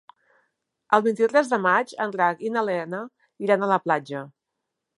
El vint-i-tres de maig en Drac i na Lena iran a la platja.